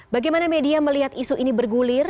bagaimana media melihat isu ini bergulir